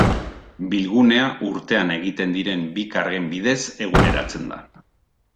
Bilgunea urtean egiten diren bi kargen bidez eguneratzen da.